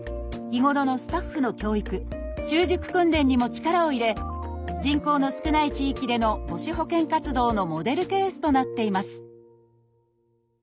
日頃のスタッフの教育習熟訓練にも力を入れ人口の少ない地域での母子保健活動のモデルケースとなっています